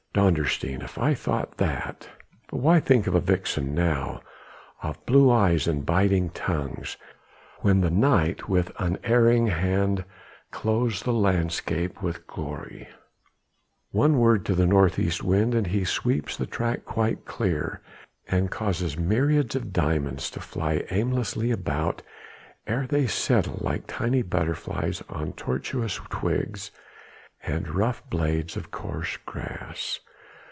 Dondersteen! if I thought that...." But why think of a vixen now, of blue eyes and biting tongues, when the night with unerring hand clothes the landscape with glory. One word to the north east wind and he sweeps the track quite clear and causes myriads of diamonds to fly aimlessly about, ere they settle like tiny butterflies on tortuous twigs, and rough blades of coarse grass.